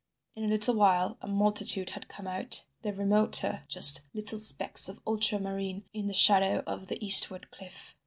In a little while a multitude had come out, the remoter just little specks of ultramarine in the shadow of the eastward cliff.